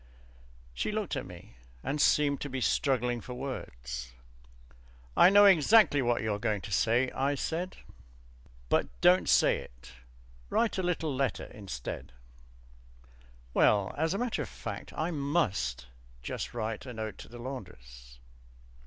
She looked at me and seemed to be struggling for words. "I know exactly what you're going to say," I said, "but don't say it; write a little letter instead." "Well, as a matter of fact I must just write a note to the laundress."